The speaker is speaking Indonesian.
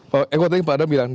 pak eko tadi pak adam bilang